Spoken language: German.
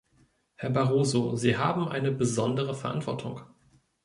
Herr Barroso, Sie haben eine besondere Verantwortung.